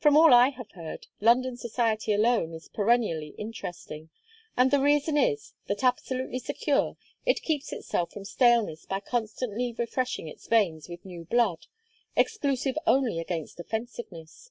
From all I have heard, London society alone is perennially interesting, and the reason is, that, absolutely secure, it keeps itself from staleness by constantly refreshing its veins with new blood, exclusive only against offensiveness.